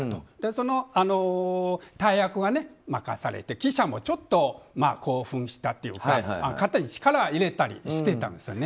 その大役が任されて記者もちょっと興奮したというか肩に力を入れたりしてたんですね。